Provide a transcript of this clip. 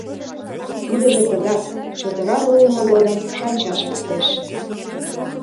Тидыже тыгак: чодыра руымо годым шанчаш лектеш...